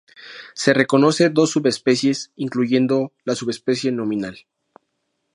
Se reconoce dos subespecies, incluyendo la subespecie nominal.